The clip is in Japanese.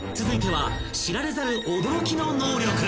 ［続いては知られざる驚きの能力］